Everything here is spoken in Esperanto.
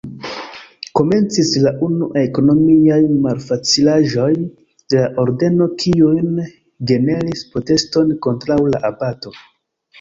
Komencis la unuaj ekonomiaj malfacilaĵoj de la Ordeno kiujn generis proteston kontraŭ la abato.